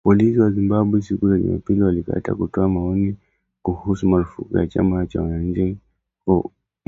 Polisi wa Zimbabwe siku ya Jumapili walikataa kutoa maoni kuhusu marufuku kwa chama cha wananchi huko Marondera